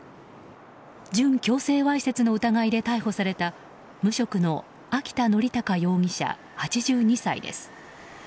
準強制わいせつの疑いで逮捕された無職の秋田憲隆容疑者８２歳です。